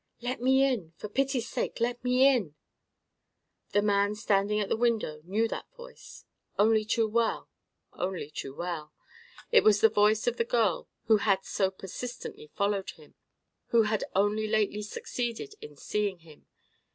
"Let me in; for pity's sake let me in!" The man standing at the window knew that voice: only too well, only too well. It was the voice of the girl who had so persistently followed him, who had only lately succeeded in seeing him.